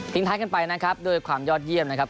ท้ายกันไปนะครับด้วยความยอดเยี่ยมนะครับ